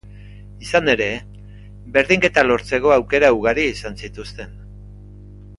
Izan ere, berdinketa lortzeko aukera ugari izan zituzten.